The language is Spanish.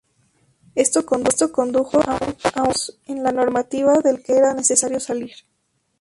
Esto condujo a un caos en la normativa del que era necesario salir.